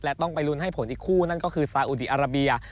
และต้องไปลุ้นให้ผลอีกคู่นั่นก็คือซาอุดีอาราเบีย